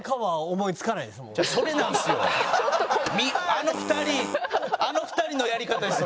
あの２人あの２人のやり方ですそれ。